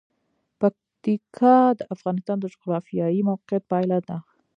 پکتیکا د افغانستان د جغرافیایي موقیعت پایله ده.